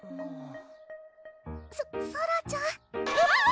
ソソラちゃんあぁ！